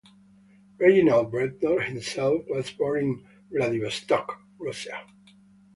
Reginald Bretnor himself was born in Vladivostok, Russia.